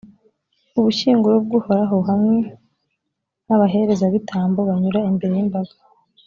ubushyinguro bw’uhoraho hamwe n’abaherezabitambo banyura imbere y’imbaga.